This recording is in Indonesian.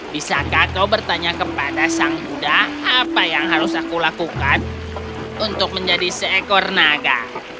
bisakah kau bertanya kepada sang buddha apa yang harus aku lakukan untuk menjadi seekor naga